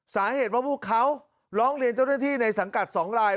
สาเหตุว่าพวกเขาร้องเรียนเจ้าหน้าที่ในสังกัด๒ลาย